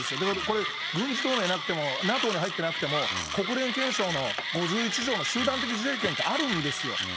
だからこれ、軍事同盟なくても、ＮＡＴＯに入ってなくても、国連憲章の５１条の集団的自衛権ってあるんですよ。